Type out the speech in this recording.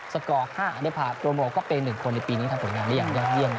สกอร์๕โรโมก็เป็น๑คนในปีนี้ทำผลงานได้อย่างเยี่ยม